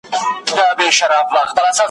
پر سجده ورته پراته وای عالمونه `